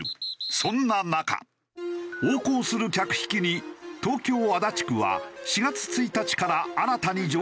そんな中横行する客引きに東京足立区は４月１日から新たに条例を施行。